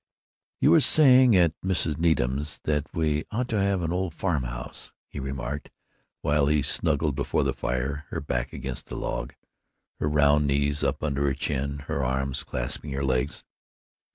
"You were saying, at Mrs. Needham's, that we ought to have an old farm house," he remarked, while she snuggled before the fire, her back against a log, her round knees up under her chin, her arms clasping her legs.